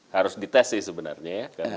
harus dites sih sebenarnya ya